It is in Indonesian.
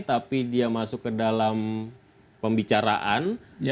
tapi dia masuk ke dalam pembicaraan